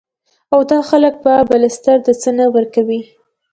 او دا خلک به پلستر د څۀ نه کوي ـ